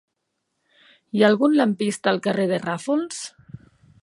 Hi ha algun lampista al carrer de Ràfols?